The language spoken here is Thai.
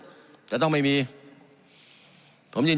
การปรับปรุงทางพื้นฐานสนามบิน